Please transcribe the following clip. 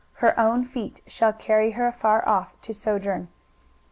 her own feet shall carry her afar off to sojourn.